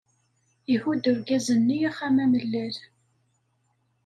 Ihudd urgaz-nni axxam amellal.